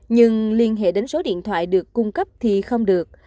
nhưng liên hệ đến số điện thoại được cung cấp thì không được